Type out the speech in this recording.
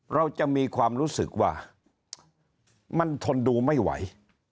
เราจะมีความรู้สึกว่ามันทนดูไม่ไหว